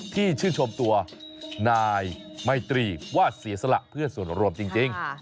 ที่ชื่นชมตัวนายไมตรีว่าเสียสละเพื่อส่วนรวมจริง